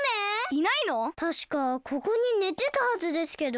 たしかここにねてたはずですけど。